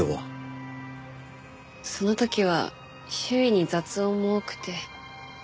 その時は周囲に雑音も多くて。